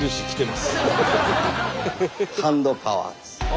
ハンドパワーです。